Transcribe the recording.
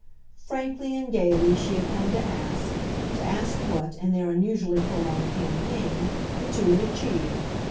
Frankly and gaily she had come to ask to ask what, in their unusually prolonged campaign, the two had achieved.